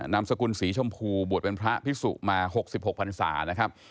นามสกุลสีชมพูบวชเป็นพระพิสุมา๖๖พันศานะครับ